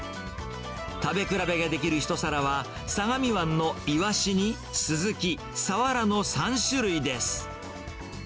食べ比べができる一皿は、相模湾のイワシにスズキ、サワラの３種類です。